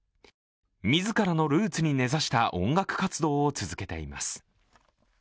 自らのルーツに根差した音楽活動を続けています。